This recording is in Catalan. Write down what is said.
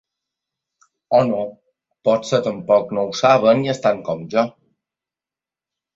O no, potser tampoc no ho saben i estan com jo.